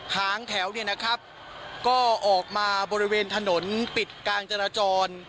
หางแถวเนี่ยนะครับก็ออกมาบริเวณถนนปิดการจราจร